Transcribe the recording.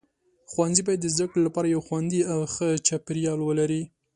ښوونځي باید د زده کړې لپاره یو خوندي او ښه چاپیریال ولري.